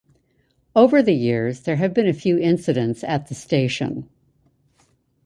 Over the years, there have been a few incidents at the station.